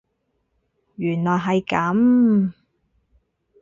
原來係咁